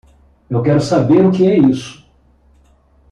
Eu quero saber o que é isso.